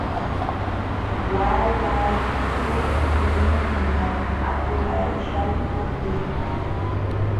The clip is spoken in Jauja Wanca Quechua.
Waalaykuqlunñam apuray shalkukuy.